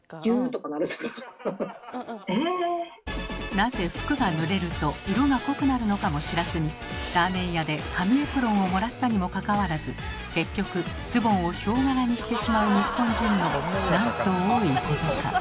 なぜ服がぬれると色が濃くなるのかも知らずにラーメン屋で紙エプロンをもらったにもかかわらず結局ズボンをヒョウ柄にしてしまう日本人のなんと多いことか。